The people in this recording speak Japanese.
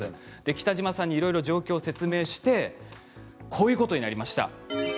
北島さんにいろいろ状況を説明してこういうことになりました。